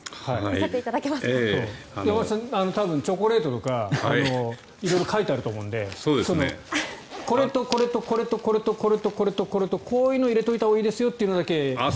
チョコレートとか色々書いてあると思うのでこれとこれとこれとこれとこういうのを入れておいたほうがいいですよというのだけ。